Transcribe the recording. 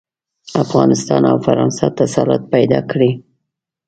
افغانستان او فرانسه تسلط پیدا کړي.